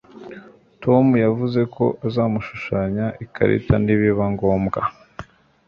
Tom yavuze ko azamushushanya ikarita nibiba ngombwa